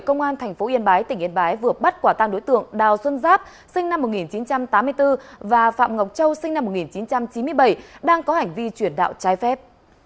công an tp yên bái tỉnh yên bái vừa bắt quả tang đối tượng đào xuân giáp sinh năm một nghìn chín trăm tám mươi bốn và phạm ngọc châu sinh năm một nghìn chín trăm chín mươi bảy đang có hành vi chuyển đạo trái phép